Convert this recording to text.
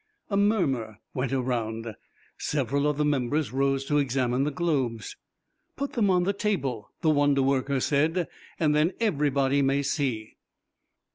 A murmur went around. Several of the members rose to examine the globes. "Put them on the table," the wonder worker said, "and then everybody may see."